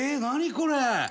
これ！